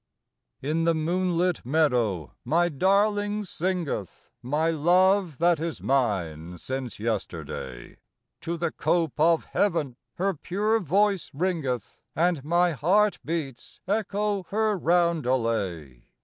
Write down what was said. In the moonlit meadow my darling sing eth, My love that is mine since yesterday ; To the cope of heaven her pure voice ringeth, And my heart beats echo her roundelay.